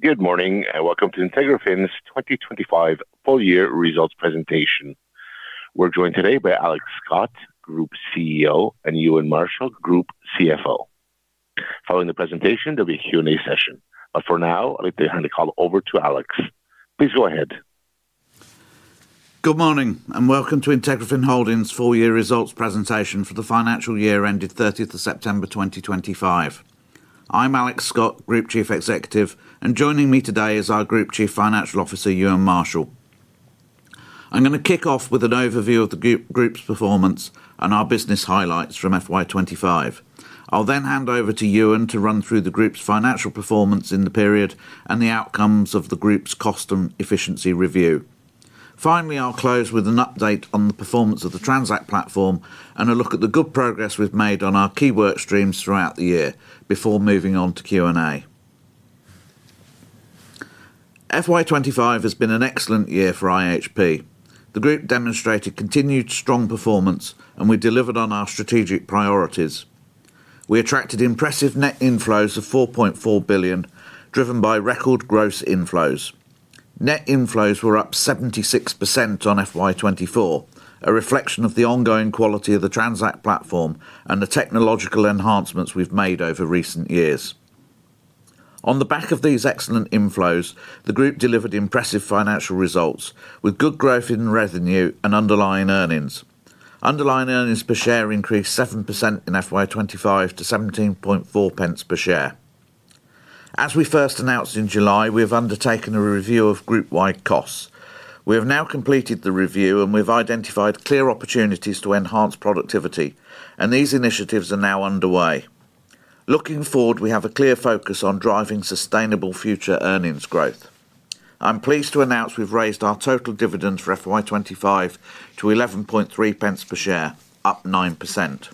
Good morning and welcome to IntegraFin's 2025 full-year results presentation. We're joined today by Alex Scott, Group CEO, and Euan Marshall, Group CFO. Following the presentation, there'll be a Q&A session, but for now, I'd like to hand the call over to Alex. Please go ahead. Good morning and welcome to IntegraFin Holdings' full-year results presentation for the financial year ending 30th September 2025. I'm Alex Scott, Group Chief Executive, and joining me today is our Group Chief Financial Officer, Euan Marshall. I'm going to kick off with an overview of the Group's performance and our business highlights from FY25. I'll then hand over to Euan to run through the Group's financial performance in the period and the outcomes of the Group's cost and efficiency review. Finally, I'll close with an update on the performance of the Transact platform and a look at the good progress we've made on our key work streams throughout the year before moving on to Q&A. FY25 has been an excellent year for IHP. The Group demonstrated continued strong performance, and we delivered on our strategic priorities. We attracted impressive net inflows of 4.4 billion, driven by record gross inflows. Net inflows were up 76% on FY24, a reflection of the ongoing quality of the Transact platform and the technological enhancements we've made over recent years. On the back of these excellent inflows, the Group delivered impressive financial results with good growth in revenue and underlying earnings. Underlying earnings per share increased 7% in FY25 to 17.40 per share. As we first announced in July, we have undertaken a review of Group-wide costs. We have now completed the review, and we've identified clear opportunities to enhance productivity, and these initiatives are now underway. Looking forward, we have a clear focus on driving sustainable future earnings growth. I'm pleased to announce we've raised our total dividends for FY25 to 11.30 per share, up 9%.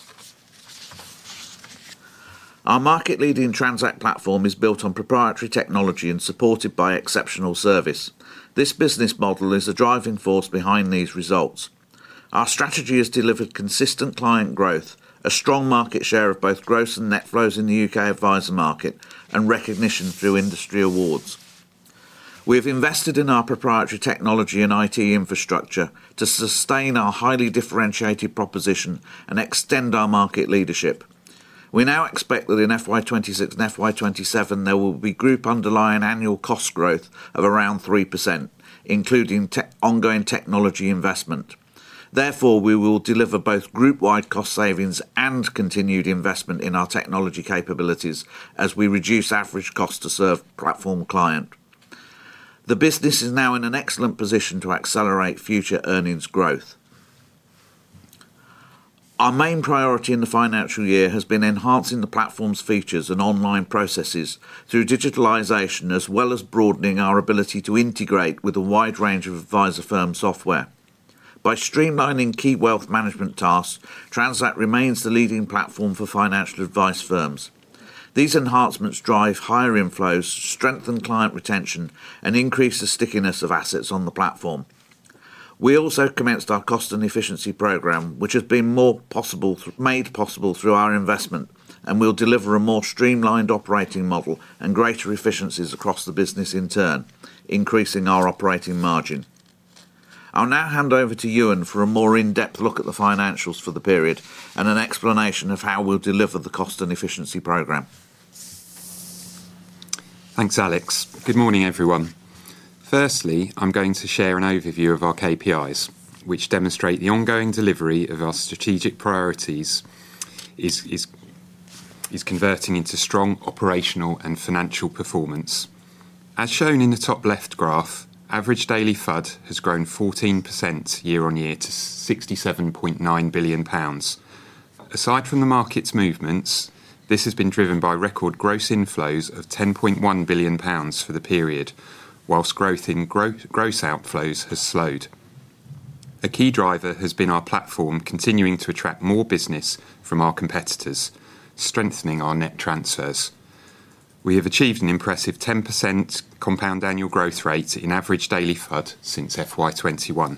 Our market-leading Transact platform is built on proprietary technology and supported by exceptional service. This business model is a driving force behind these results. Our strategy has delivered consistent client growth, a strong market share of both gross and net flows in the U.K. adviser market, and recognition through industry awards. We have invested in our proprietary technology and IT infrastructure to sustain our highly differentiated proposition and extend our market leadership. We now expect that in FY26 and FY27, there will be Group underlying annual cost growth of around 3%, including ongoing technology investment. Therefore, we will deliver both Group-wide cost savings and continued investment in our technology capabilities as we reduce average cost to serve platform client. The business is now in an excellent position to accelerate future earnings growth. Our main priority in the financial year has been enhancing the platform's features and online processes through digitalization, as well as broadening our ability to integrate with a wide range of adviser firm software. By streamlining key wealth management tasks, Transact remains the leading platform for financial advice firms. These enhancements drive higher inflows, strengthen client retention, and increase the stickiness of assets on the platform. We also commenced our cost and efficiency program, which has been made possible through our investment, and we'll deliver a more streamlined operating model and greater efficiencies across the business in turn, increasing our operating margin. I'll now hand over to Euan for a more in-depth look at the financials for the period and an explanation of how we'll deliver the cost and efficiency program. Thanks, Alex. Good morning, everyone. Firstly, I'm going to share an overview of our KPIs, which demonstrate the ongoing delivery of our strategic priorities is converting into strong operational and financial performance. As shown in the top-left graph, average daily FUD has grown 14% year-on-year to 67.9 billion pounds. Aside from the market's movements, this has been driven by record gross inflows of 10.1 billion pounds for the period, whilst growth in gross outflows has slowed. A key driver has been our platform continuing to attract more business from our competitors, strengthening our net transfers. We have achieved an impressive 10% compound annual growth rate in average daily FUD since FY21.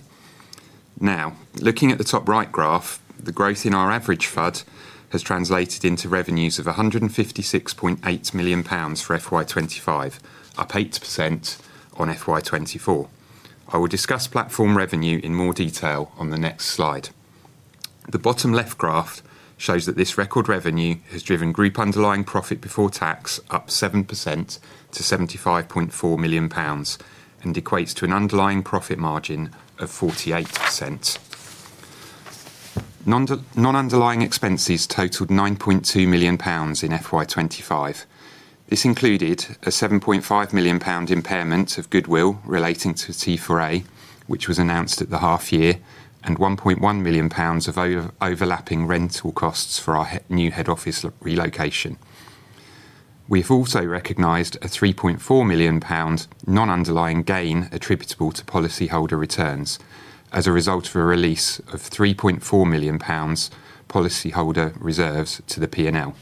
Now, looking at the top-right graph, the growth in our average FUD has translated into revenues of 156.8 million pounds for FY25, up 8% on FY24. I will discuss platform revenue in more detail on the next slide. The bottom-left graph shows that this record revenue has driven Group underlying profit before tax up 7% to 75.4 million pounds and equates to an underlying profit margin of 48%. Non-underlying expenses totaled 9.2 million pounds in FY25. This included a 7.5 million pound impairment of goodwill relating to T4A, which was announced at the half-year, and 1.1 million pounds of overlapping rental costs for our new head office relocation. We have also recognized a GBP 3.4 million non-underlying gain attributable to policyholder returns as a result of a release of 3.4 million pounds policyholder reserves to the P&L.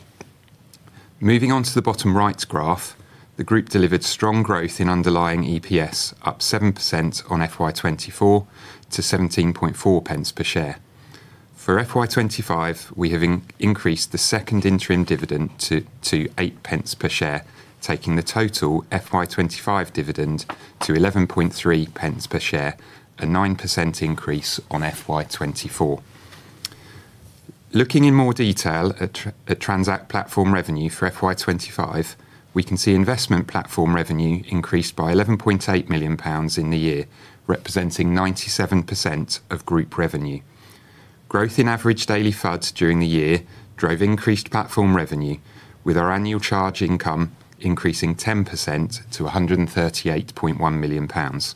Moving on to the bottom-right graph, the Group delivered strong growth in underlying EPS, up 7% on FY24 to 17.40 per share. For FY25, we have increased the second interim dividend to 0.08 per share, taking the total FY25 dividend to 11.30 per share, a 9% increase on FY24. Looking in more detail at Transact platform revenue for FY25, we can see investment platform revenue increased by 11.8 million pounds in the year, representing 97% of Group revenue. Growth in average daily FUDs during the year drove increased platform revenue, with our annual charge income increasing 10% to 138.1 million pounds.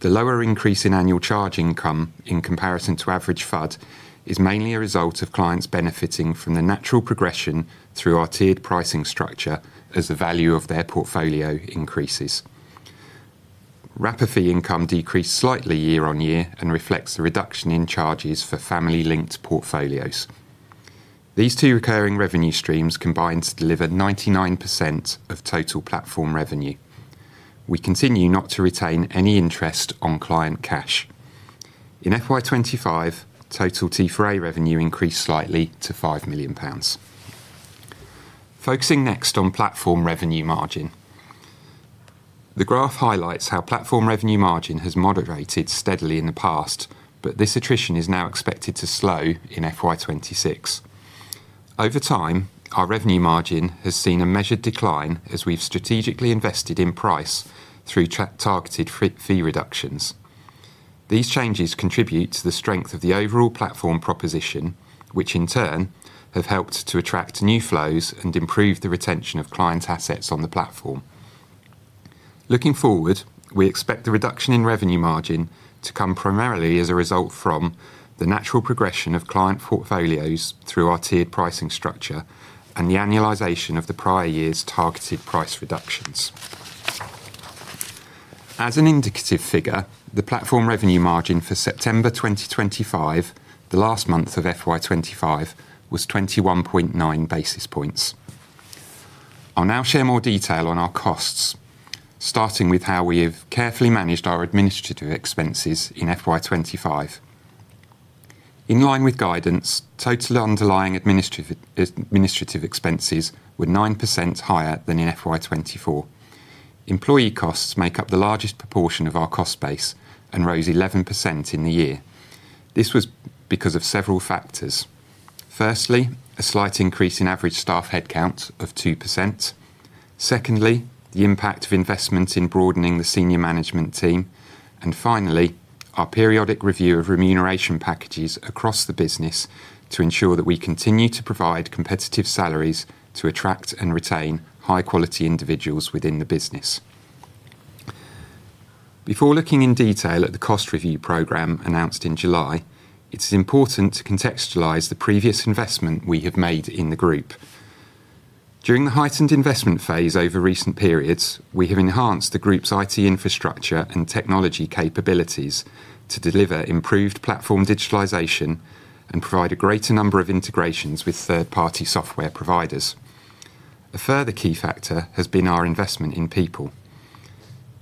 The lower increase in annual charge income in comparison to average FUD is mainly a result of clients benefiting from the natural progression through our tiered pricing structure as the value of their portfolio increases. Wrap fee income decreased slightly year-on-year and reflects the reduction in charges for family-linked portfolios. These two recurring revenue streams combine to deliver 99% of total platform revenue. We continue not to retain any interest on client cash. In FY25, total T4A revenue increased slightly to 5 million pounds. Focusing next on platform revenue margin. The graph highlights how platform revenue margin has moderated steadily in the past, but this attrition is now expected to slow in FY26. Over time, our revenue margin has seen a measured decline as we've strategically invested in price through targeted fee reductions. These changes contribute to the strength of the overall platform proposition, which in turn have helped to attract new flows and improve the retention of client assets on the platform. Looking forward, we expect the reduction in revenue margin to come primarily as a result from the natural progression of client portfolios through our tiered pricing structure and the annualization of the prior year's targeted price reductions. As an indicative figure, the platform revenue margin for September 2025, the last month of FY25, was 21.9 basis points. I'll now share more detail on our costs, starting with how we have carefully managed our administrative expenses in FY25. In line with guidance, total underlying administrative expenses were 9% higher than in FY24. Employee costs make up the largest proportion of our cost base and rose 11% in the year. This was because of several factors. Firstly, a slight increase in average staff headcount of 2%. Secondly, the impact of investment in broadening the senior management team. And finally, our periodic review of remuneration packages across the business to ensure that we continue to provide competitive salaries to attract and retain high-quality individuals within the business. Before looking in detail at the cost review program announced in July, it is important to contextualize the previous investment we have made in the Group. During the heightened investment phase over recent periods, we have enhanced the Group's IT infrastructure and technology capabilities to deliver improved platform digitalization and provide a greater number of integrations with third-party software providers. A further key factor has been our investment in people.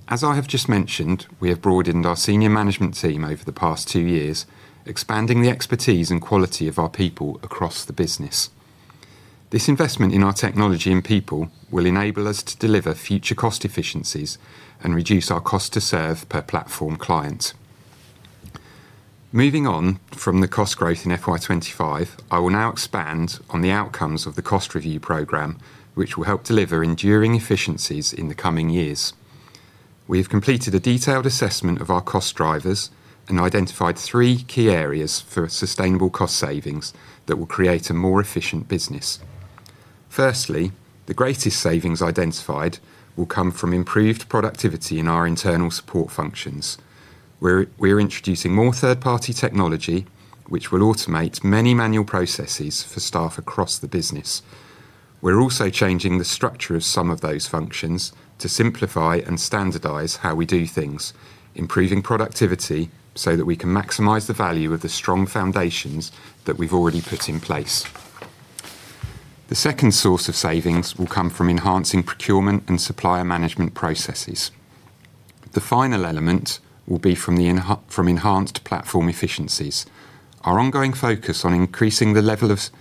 As I have just mentioned, we have broadened our senior management team over the past two years, expanding the expertise and quality of our people across the business. This investment in our technology and people will enable us to deliver future cost efficiencies and reduce our cost to serve per platform client. Moving on from the cost growth in FY25, I will now expand on the outcomes of the cost review program, which will help deliver enduring efficiencies in the coming years. We have completed a detailed assessment of our cost drivers and identified three key areas for sustainable cost savings that will create a more efficient business. Firstly, the greatest savings identified will come from improved productivity in our internal support functions. We're introducing more third-party technology, which will automate many manual processes for staff across the business. We're also changing the structure of some of those functions to simplify and standardize how we do things, improving productivity so that we can maximize the value of the strong foundations that we've already put in place. The second source of savings will come from enhancing procurement and supplier management processes. The final element will be from enhanced platform efficiencies. Our ongoing focus on increasing the level of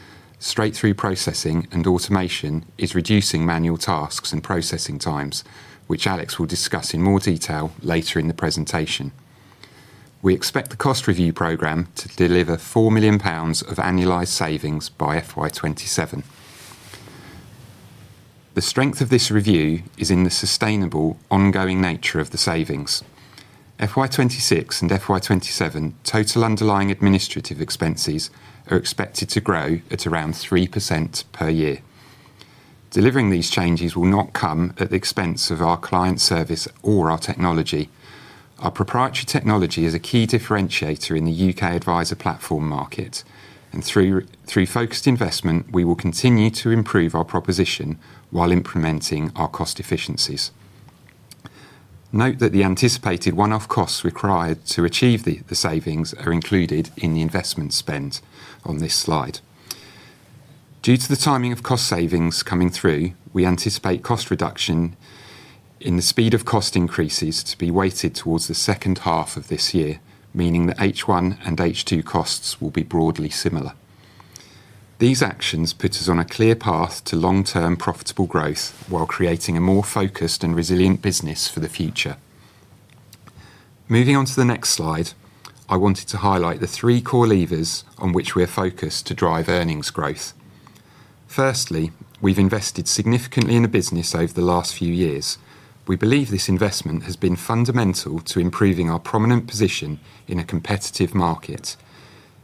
straight-through processing and automation is reducing manual tasks and processing times, which Alex will discuss in more detail later in the presentation. We expect the cost review program to deliver 4 million pounds of annualized savings by FY27. The strength of this review is in the sustainable ongoing nature of the savings. FY26 and FY27 total underlying administrative expenses are expected to grow at around 3% per year. Delivering these changes will not come at the expense of our client service or our technology. Our proprietary technology is a key differentiator in the U.K. adviser platform market, and through focused investment, we will continue to improve our proposition while implementing our cost efficiencies. Note that the anticipated one-off costs required to achieve the savings are included in the investment spend on this slide. Due to the timing of cost savings coming through, we anticipate cost reduction in the speed of cost increases to be weighted towards the second half of this year, meaning that H1 and H2 costs will be broadly similar. These actions put us on a clear path to long-term profitable growth while creating a more focused and resilient business for the future. Moving on to the next slide, I wanted to highlight the three core levers on which we are focused to drive earnings growth. Firstly, we've invested significantly in the business over the last few years. We believe this investment has been fundamental to improving our prominent position in a competitive market.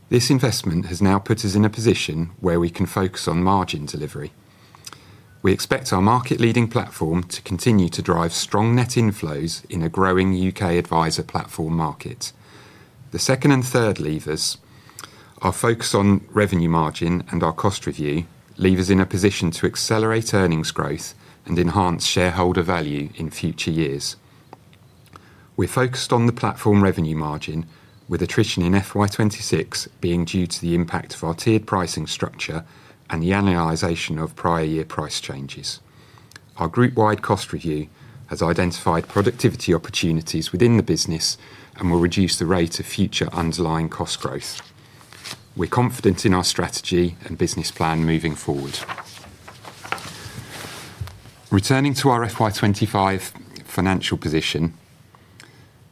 This investment has now put us in a position where we can focus on margin delivery. We expect our market-leading platform to continue to drive strong net inflows in a growing UK adviser platform market. The second and third levers are focused on revenue margin and our cost review, in a position to accelerate earnings growth and enhance shareholder value in future years. We're focused on the platform revenue margin, with attrition in FY26 being due to the impact of our tiered pricing structure and the annualization of prior year price changes. Our Group-wide cost review has identified productivity opportunities within the business and will reduce the rate of future underlying cost growth. We're confident in our strategy and business plan moving forward. Returning to our FY25 financial position,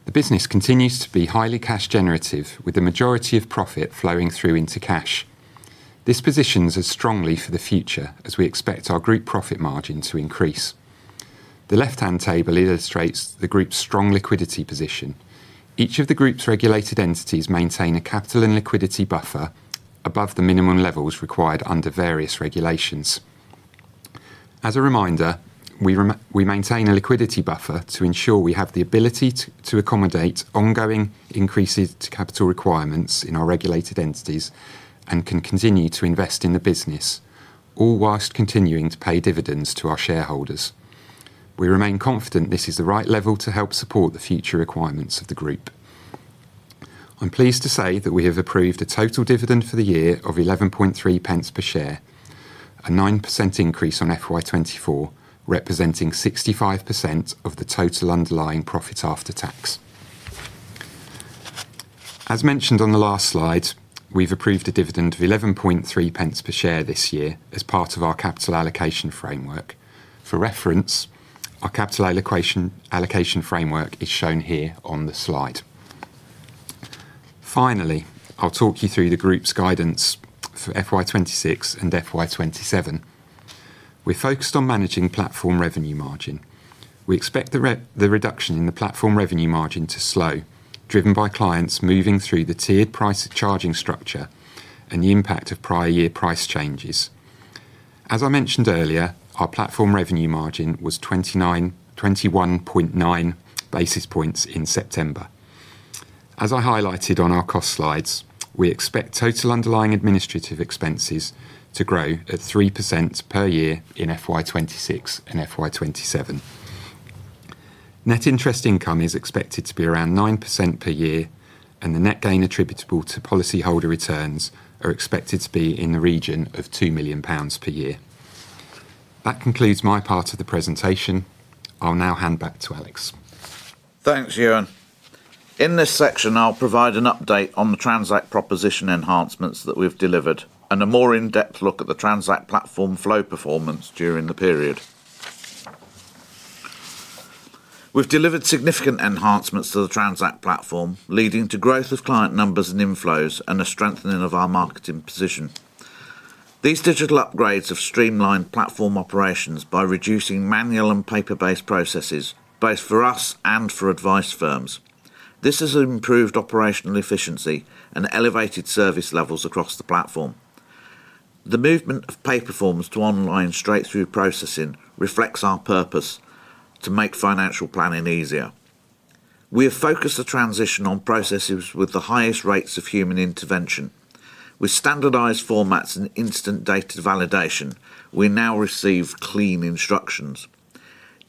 the business continues to be highly cash-generative, with the majority of profit flowing through into cash. This positions us strongly for the future as we expect our Group profit margin to increase. The left-hand table illustrates the Group's strong liquidity position. Each of the Group's regulated entities maintains a capital and liquidity buffer above the minimum levels required under various regulations. As a reminder, we maintain a liquidity buffer to ensure we have the ability to accommodate ongoing increases to capital requirements in our regulated entities and can continue to invest in the business, all whilst continuing to pay dividends to our shareholders. We remain confident this is the right level to help support the future requirements of the Group. I'm pleased to say that we have approved a total dividend for the year of 11.30 per share, a 9% increase on FY24, representing 65% of the total underlying profit after tax. As mentioned on the last slide, we've approved a dividend of 11.30 per share this year as part of our capital allocation framework. For reference, our capital allocation framework is shown here on the slide. Finally, I'll talk you through the Group's guidance for FY26 and FY27. We're focused on managing platform revenue margin. We expect the reduction in the platform revenue margin to slow, driven by clients moving through the tiered price charging structure and the impact of prior year price changes. As I mentioned earlier, our platform revenue margin was 21.9 basis points in September. As I highlighted on our cost slides, we expect total underlying administrative expenses to grow at 3% per year in FY26 and FY27. Net interest income is expected to be around 9% per year, and the net gain attributable to policyholder returns is expected to be in the region of 2 million pounds per year. That concludes my part of the presentation. I'll now hand back to Alex. Thanks, Euan. In this section, I'll provide an update on the Transact proposition enhancements that we've delivered and a more in-depth look at the Transact platform flow performance during the period. We've delivered significant enhancements to the Transact platform, leading to growth of client numbers and inflows and a strengthening of our marketing position. These digital upgrades have streamlined platform operations by reducing manual and paper-based processes, both for us and for advice firms. This has improved operational efficiency and elevated service levels across the platform. The movement of paper forms to online straight-through processing reflects our purpose to make financial planning easier. We have focused the transition on processes with the highest rates of human intervention. With standardized formats and instant data validation, we now receive clean instructions.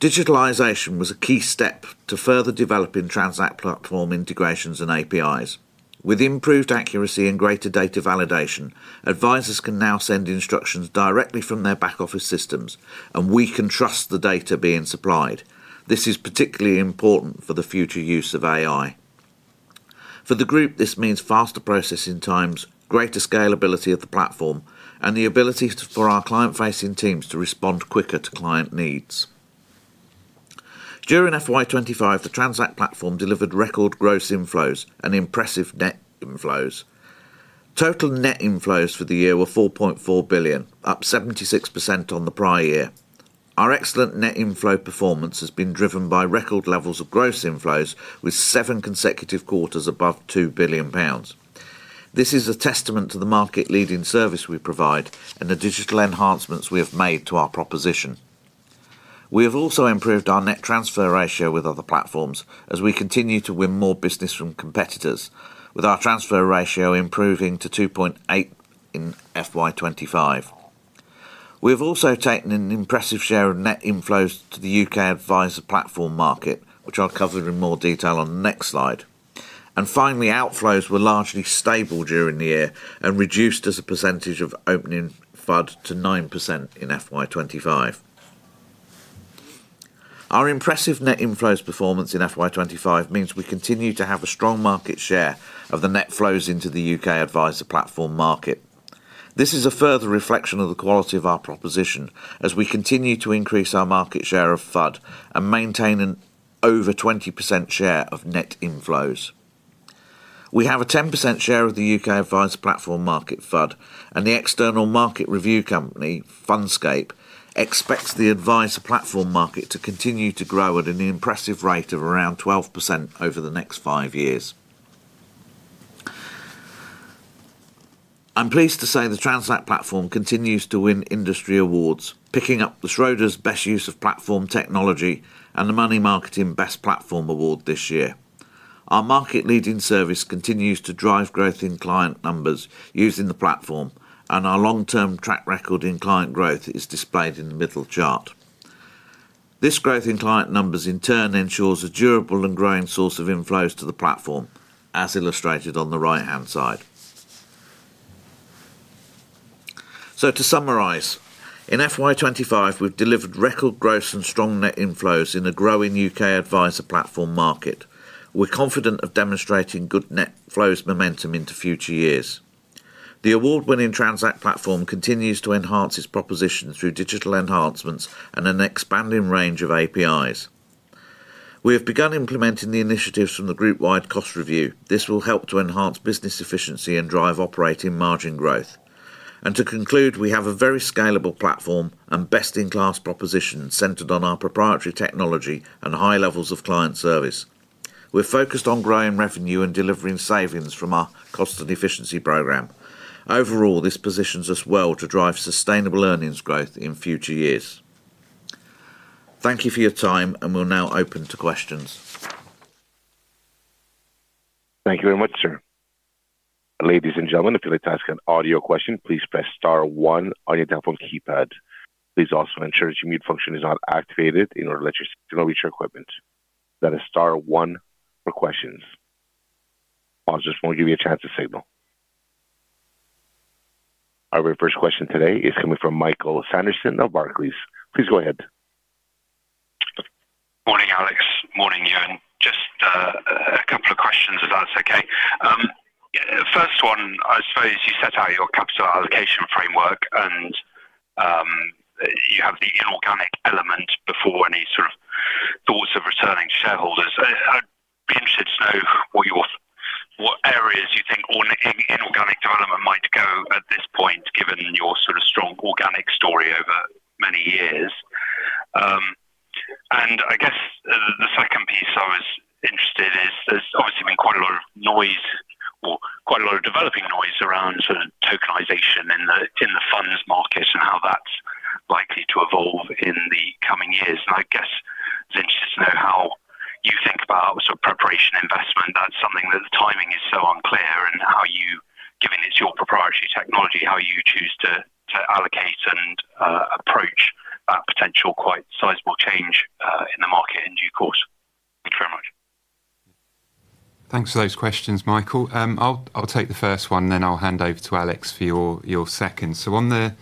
Digitalization was a key step to further developing Transact platform integrations and APIs. With improved accuracy and greater data validation, advisers can now send instructions directly from their back-office systems, and we can trust the data being supplied. This is particularly important for the future use of AI. For the Group, this means faster processing times, greater scalability of the platform, and the ability for our client-facing teams to respond quicker to client needs. During FY25, the Transact platform delivered record gross inflows and impressive net inflows. Total net inflows for the year were 4.4 billion, up 76% on the prior year. Our excellent net inflow performance has been driven by record levels of gross inflows, with seven consecutive quarters above 2 billion pounds. This is a testament to the market-leading service we provide and the digital enhancements we have made to our proposition. We have also improved our net transfer ratio with other platforms as we continue to win more business from competitors, with our transfer ratio improving to 2.8 in FY25. We have also taken an impressive share of net inflows to the U.K. adviser platform market, which I'll cover in more detail on the next slide. And finally, outflows were largely stable during the year and reduced as a percentage of opening FUD to 9% in FY25. Our impressive net inflows performance in FY25 means we continue to have a strong market share of the net flows into the U.K. adviser platform market. This is a further reflection of the quality of our proposition as we continue to increase our market share of FUD and maintain an over 20% share of net inflows. We have a 10% share of the U.K. adviser platform market FUD, and the external market review company, Fundscape, expects the adviser platform market to continue to grow at an impressive rate of around 12% over the next five years. I'm pleased to say the Transact platform continues to win industry awards, picking up the Schroders Best Use of Platform Technology and the Money Marketing Best Platform award this year. Our market-leading service continues to drive growth in client numbers using the platform, and our long-term track record in client growth is displayed in the middle chart. This growth in client numbers, in turn, ensures a durable and growing source of inflows to the platform, as illustrated on the right-hand side. So, to summarize, in FY25, we've delivered record growth and strong net inflows in a growing U.K. adviser platform market. We're confident of demonstrating good net flows momentum into future years. The award-winning Transact platform continues to enhance its proposition through digital enhancements and an expanding range of APIs. We have begun implementing the initiatives from the Group-wide cost review. This will help to enhance business efficiency and drive operating margin growth. And to conclude, we have a very scalable platform and best-in-class proposition centered on our proprietary technology and high levels of client service. We're focused on growing revenue and delivering savings from our cost and efficiency program. Overall, this positions us well to drive sustainable earnings growth in future years. Thank you for your time, and we'll now open to questions. Thank you very much, sir. Ladies and gentlemen, if you'd like to ask an audio question, please press star one on your telephone keypad. Please also ensure that your mute function is not activated in order to let your signal reach your equipment. That is star one for questions. I'll just wait to give you a chance to signal. Our very first question today is coming from Michael Sanderson of Barclays. Please go ahead. Morning, Alex. Morning, Euan. Just a couple of questions, if that's okay. First one, I suppose you set out your capital allocation framework, and you have the inorganic element before any sort of thoughts of returning shareholders. I'd be interested to know what areas you think inorganic development might go at this point, given your sort of strong organic story over many years, and I guess the second piece I was interested in is there's obviously been quite a lot of noise, or quite a lot of developing noise around sort of tokenization in the funds market and how that's likely to evolve in the coming years, and I guess it's interesting to know how you think about sort of preparation investment. That's something that the timing is so unclear, and given it's your proprietary technology, how you choose to allocate and approach that potential quite sizable change in the market in due course. Thank you very much. Thanks for those questions, Michael. I'll take the first one, then I'll hand over to Alex for your second.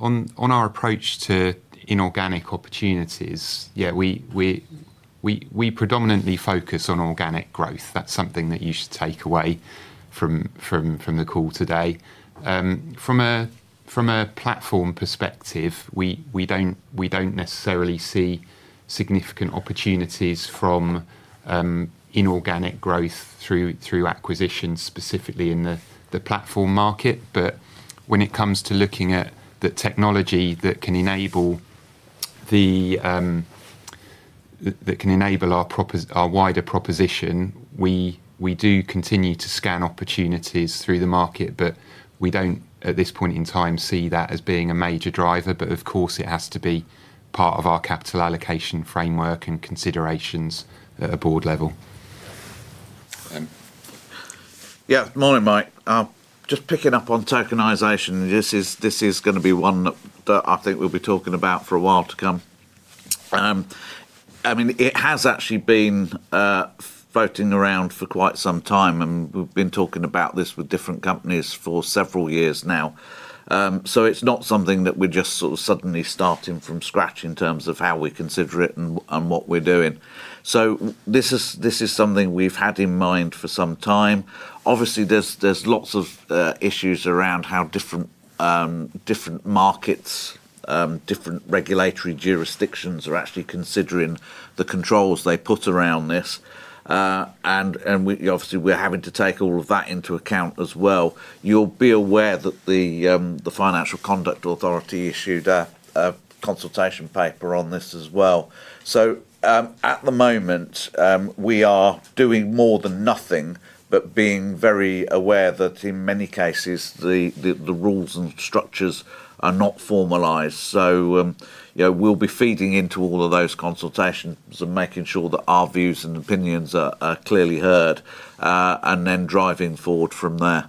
On our approach to inorganic opportunities, yeah, we predominantly focus on organic growth. That's something that you should take away from the call today. From a platform perspective, we don't necessarily see significant opportunities from inorganic growth through acquisitions, specifically in the platform market. But when it comes to looking at the technology that can enable our wider proposition, we do continue to scan opportunities through the market, but we don't, at this point in time, see that as being a major driver. But of course, it has to be part of our capital allocation framework and considerations at a board level. Yeah, morning, Mike. Just picking up on tokenization, this is going to be one that I think we'll be talking about for a while to come. I mean, it has actually been floating around for quite some time, and we've been talking about this with different companies for several years now. So it's not something that we're just sort of suddenly starting from scratch in terms of how we consider it and what we're doing. So this is something we've had in mind for some time. Obviously, there's lots of issues around how different markets, different regulatory jurisdictions are actually considering the controls they put around this. And obviously, we're having to take all of that into account as well. You'll be aware that the Financial Conduct Authority issued a consultation paper on this as well. So at the moment, we are doing more than nothing but being very aware that in many cases, the rules and structures are not formalized. So we'll be feeding into all of those consultations and making sure that our views and opinions are clearly heard and then driving forward from there.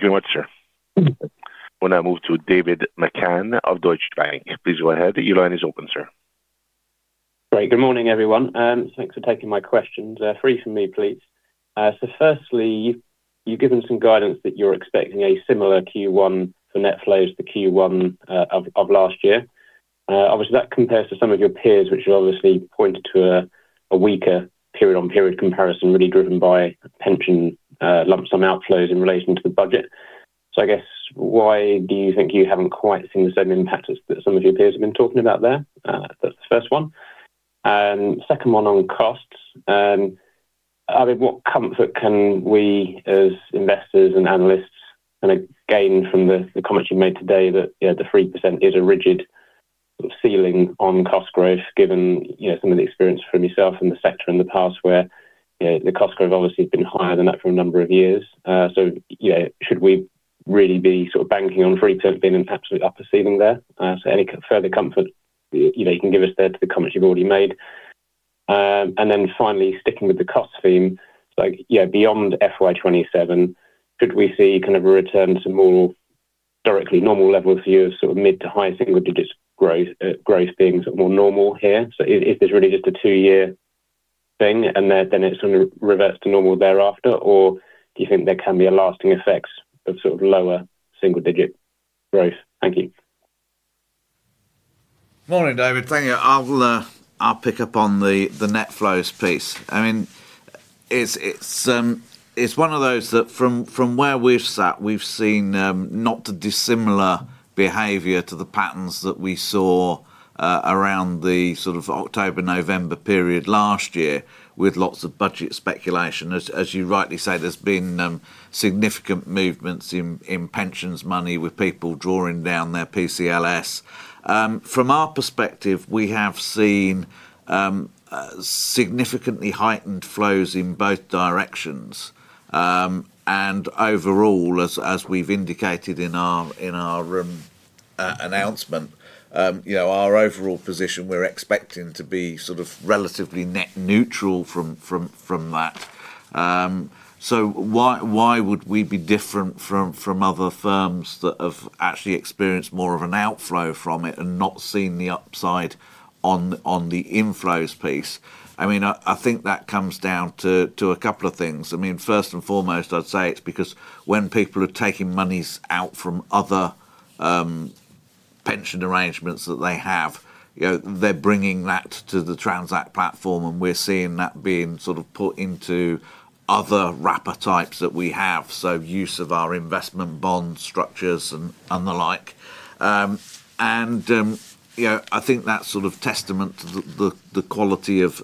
Great. Thank you. Thank you very much, sir. Now I move to David McCann of Deutsche Bank. Please go ahead. Euan, it's open, sir. Great. Good morning, everyone. Thanks for taking my questions. Three for me, please. Firstly, you've given some guidance that you're expecting a similar Q1 for net flows to Q1 of last year. Obviously, that compares to some of your peers, which you obviously pointed to a weaker period-on-period comparison, really driven by pension lump sum outflows in relation to the budget. I guess, why do you think you haven't quite seen the same impact as some of your peers have been talking about there? That's the first one. Second one on costs. I mean, what comfort can we as investors and analysts kind of gain from the comments you've made today that the 3% is a rigid ceiling on cost growth, given some of the experience from yourself in the sector in the past, where the cost growth obviously has been higher than that for a number of years? So should we really be sort of banking on 3% being an absolute upper ceiling there? So any further comfort you can give us there to the comments you've already made. And then finally, sticking with the cost theme, beyond FY27, could we see kind of a return to more directly normal levels here of sort of mid to high single-digit growth being sort of more normal here? So is this really just a two-year thing, and then it sort of reverts to normal thereafter, or do you think there can be a lasting effect of sort of lower single-digit growth? Thank you. Morning, David. Thank you. I'll pick up on the net flows piece. I mean, it's one of those that from where we've sat, we've seen not dissimilar behavior to the patterns that we saw around the sort of October-November period last year with lots of budget speculation. As you rightly say, there's been significant movements in pensions money with people drawing down their PCLS. From our perspective, we have seen significantly heightened flows in both directions. And overall, as we've indicated in our announcement, our overall position, we're expecting to be sort of relatively net neutral from that. So why would we be different from other firms that have actually experienced more of an outflow from it and not seen the upside on the inflows piece? I mean, I think that comes down to a couple of things. I mean, first and foremost, I'd say it's because when people are taking monies out from other pension arrangements that they have, they're bringing that to the Transact platform, and we're seeing that being sort of put into other wrapper types that we have, so use of our investment bond structures and the like, and I think that's sort of testament to the quality of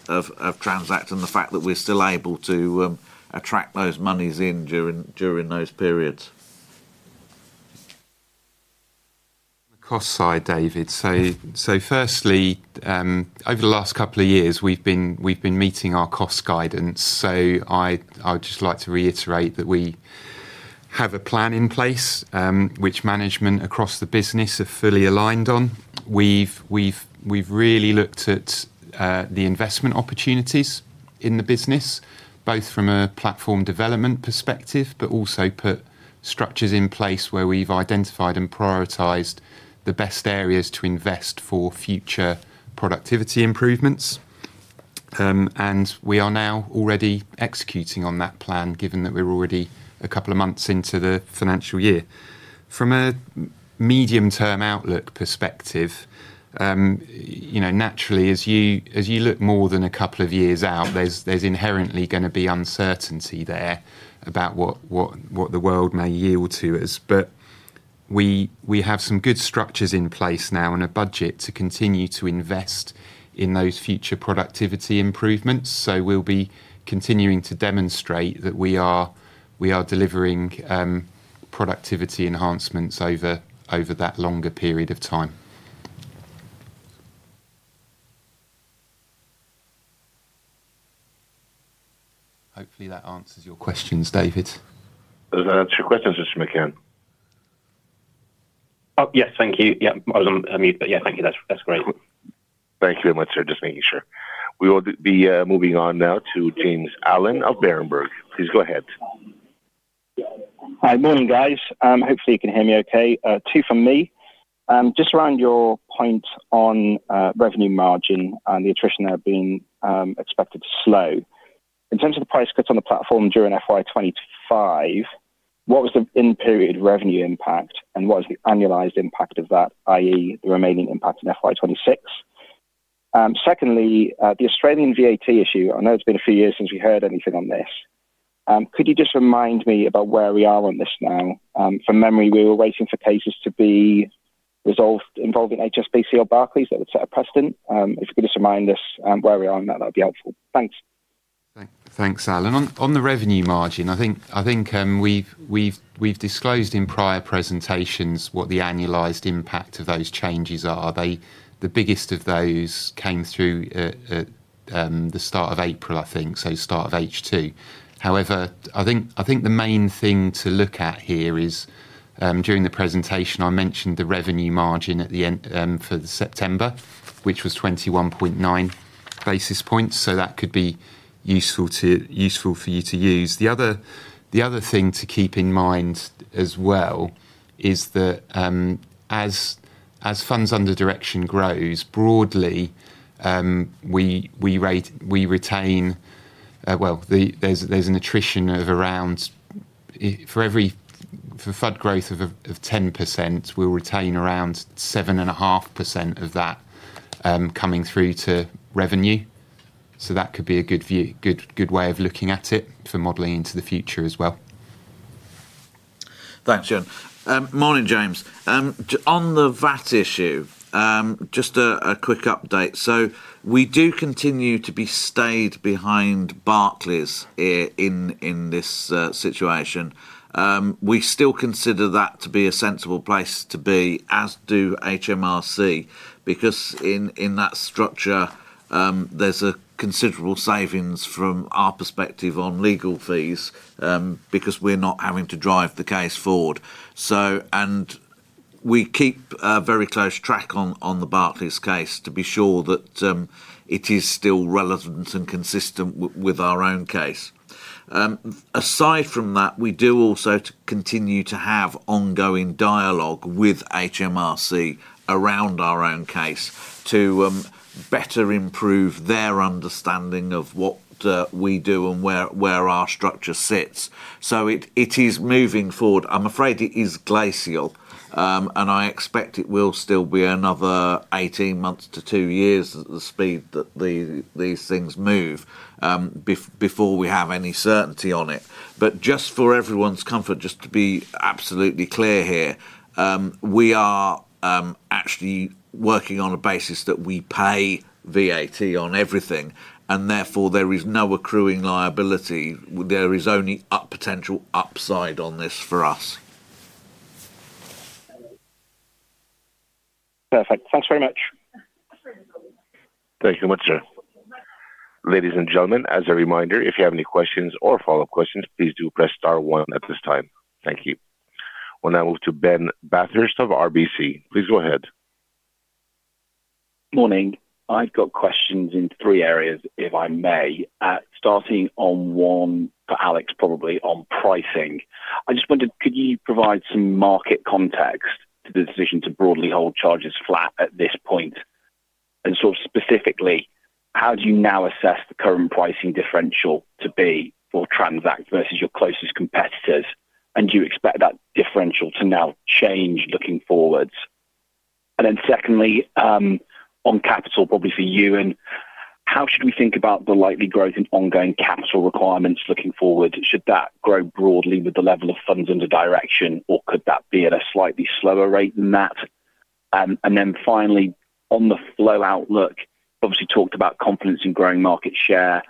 Transact and the fact that we're still able to attract those monies in during those periods. On the cost side, David, so firstly, over the last couple of years, we've been meeting our cost guidance. I would just like to reiterate that we have a plan in place, which management across the business are fully aligned on. We've really looked at the investment opportunities in the business, both from a platform development perspective, but also put structures in place where we've identified and prioritized the best areas to invest for future productivity improvements. We are now already executing on that plan, given that we're already a couple of months into the financial year. From a medium-term outlook perspective, naturally, as you look more than a couple of years out, there's inherently going to be uncertainty there about what the world may yield to us. We have some good structures in place now and a budget to continue to invest in those future productivity improvements. We'll be continuing to demonstrate that we are delivering productivity enhancements over that longer period of time. Hopefully, that answers your questions, David. There's two questions for Mr. McCann. Oh, yes, thank you. Yeah, I was on mute, but yeah, thank you. That's great. Thank you very much, sir. Just making sure. We will be moving on now to James Allen of Berenberg. Please go ahead. Hi, morning, guys. Hopefully, you can hear me okay. Two from me. Just around your point on revenue margin and the attrition that have been expected to slow. In terms of the price cuts on the platform during FY25, what was the end-period revenue impact, and what was the annualized impact of that, i.e., the remaining impact in FY26? Secondly, the Australian VAT issue. I know it's been a few years since we heard anything on this. Could you just remind me about where we are on this now? From memory, we were waiting for cases to be resolved involving HSBC or Barclays that would set a precedent. If you could just remind us where we are on that, that would be helpful. Thanks. Thanks, Allen. On the revenue margin, I think we've disclosed in prior presentations what the annualized impact of those changes are. The biggest of those came through the start of April, I think, so start of H2. However, I think the main thing to look at here is during the presentation, I mentioned the revenue margin for September, which was 21.9 basis points. So that could be useful for you to use. The other thing to keep in mind as well is that as funds under direction grows, broadly, we retain well, there's an attrition of around for FUD growth of 10%, we'll retain around 7.5% of that coming through to revenue. That could be a good way of looking at it for modeling into the future as well. Thanks, Euan. Morning, James. On the VAT issue, just a quick update. We do continue to be stayed behind Barclays in this situation. We still consider that to be a sensible place to be, as do HMRC, because in that structure, there's a considerable savings from our perspective on legal fees because we're not having to drive the case forward. We keep a very close track on the Barclays case to be sure that it is still relevant and consistent with our own case. Aside from that, we do also continue to have ongoing dialogue with HMRC around our own case to better improve their understanding of what we do and where our structure sits. It is moving forward. I'm afraid it is glacial, and I expect it will still be another 18 months to two years at the speed that these things move before we have any certainty on it. But just for everyone's comfort, just to be absolutely clear here, we are actually working on a basis that we pay VAT on everything, and therefore, there is no accruing liability. There is only potential upside on this for us. Perfect. Thanks very much. Thank you very much, sir. Ladies and gentlemen, as a reminder, if you have any questions or follow-up questions, please do press star one at this time. Thank you. We'll now move to Ben Bathurst of RBC. Please go ahead. Morning. I've got questions in three areas, if I may, starting on one for Alex, probably on pricing. I just wondered, could you provide some market context to the decision to broadly hold charges flat at this point? And sort of specifically, how do you now assess the current pricing differential to be for Transact versus your closest competitors? And do you expect that differential to now change looking forward? And then secondly, on capital, probably for Euan, how should we think about the likely growth in ongoing capital requirements looking forward? Should that grow broadly with the level of funds under direction, or could that be at a slightly slower rate than that? And then finally, on the flow outlook, obviously talked about confidence in growing market share.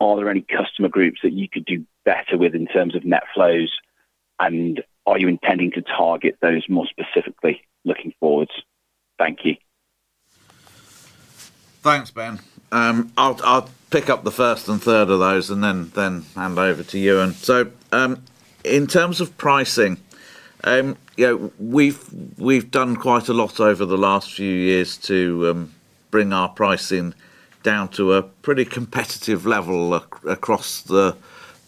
Are there any customer groups that you could do better with in terms of net flows? And are you intending to target those more specifically looking forward? Thank you. Thanks, Ben. I'll pick up the first and third of those and then hand over to Euan. So in terms of pricing, we've done quite a lot over the last few years to bring our pricing down to a pretty competitive level across the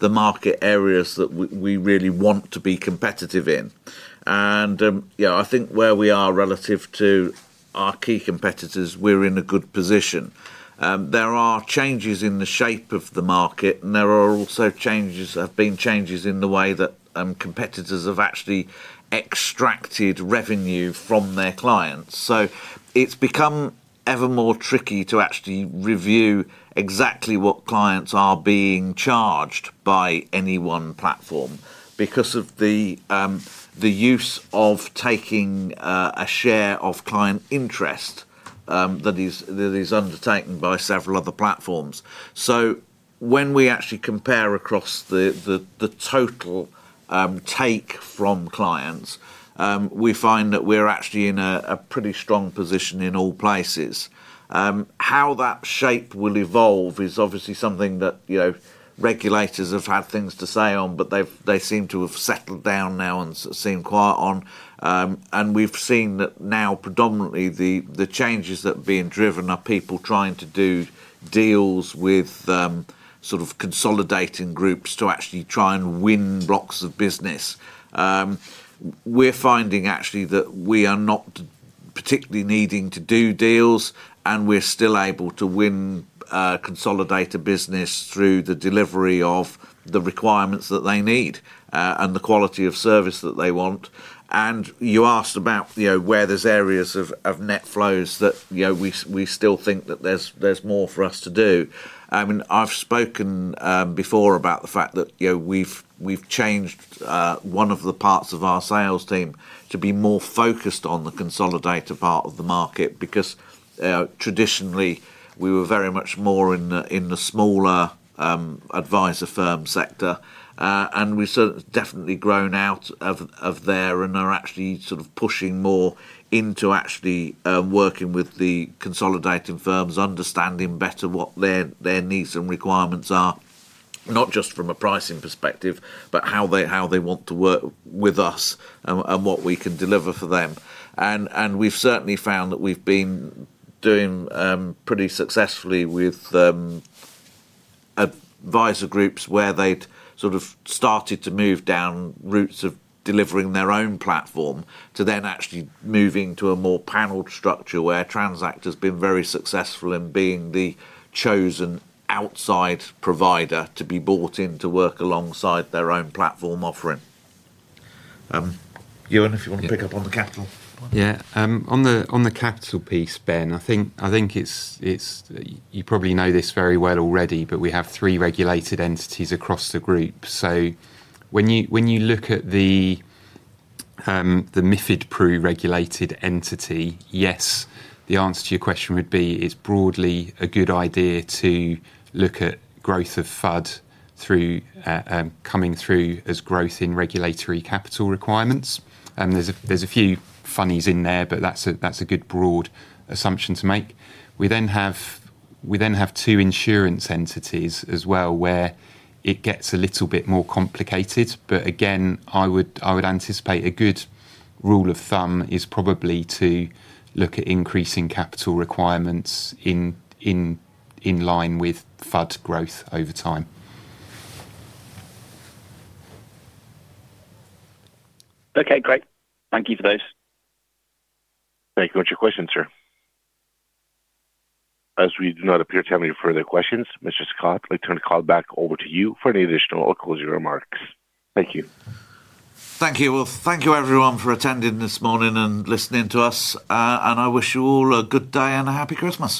market areas that we really want to be competitive in. And I think where we are relative to our key competitors, we're in a good position. There are changes in the shape of the market, and there are also changes that have been in the way that competitors have actually extracted revenue from their clients. So it's become ever more tricky to actually review exactly what clients are being charged by any one platform because of the use of taking a share of client interest that is undertaken by several other platforms. So when we actually compare across the total take from clients, we find that we're actually in a pretty strong position in all places. How that shape will evolve is obviously something that regulators have had things to say on, but they seem to have settled down now and seem quiet on. And we've seen that now, predominantly, the changes that are being driven are people trying to do deals with sort of consolidating groups to actually try and win blocks of business. We're finding actually that we are not particularly needing to do deals, and we're still able to win consolidator business through the delivery of the requirements that they need and the quality of service that they want. And you asked about where there's areas of net flows that we still think that there's more for us to do. I mean, I've spoken before about the fact that we've changed one of the parts of our sales team to be more focused on the consolidator part of the market because traditionally, we were very much more in the smaller adviser firm sector. And we've definitely grown out of there and are actually sort of pushing more into actually working with the consolidating firms, understanding better what their needs and requirements are, not just from a pricing perspective, but how they want to work with us and what we can deliver for them. We've certainly found that we've been doing pretty successfully with adviser groups where they'd sort of started to move down routes of delivering their own platform to then actually moving to a more panelled structure where Transact has been very successful in being the chosen outside provider to be brought in to work alongside their own platform offering. Euan, if you want to pick up on the capital. Yeah. On the capital piece, Ben, I think you probably know this very well already, but we have three regulated entities across the group. When you look at the MIFIDPRU regulated entity, yes, the answer to your question would be it's broadly a good idea to look at growth of FUD coming through as growth in regulatory capital requirements. There's a few funnies in there, but that's a good broad assumption to make. We then have two insurance entities as well where it gets a little bit more complicated. But again, I would anticipate a good rule of thumb is probably to look at increasing capital requirements in line with FUD growth over time. Okay, great. Thank you for those. Thank you for your questions, sir. As we do not appear to have any further questions, Mr. Scott, I'd like to turn the call back over to you for any additional or closing remarks. Thank you. Thank you. Well, thank you, everyone, for attending this morning and listening to us, and I wish you all a good day and a happy Christmas.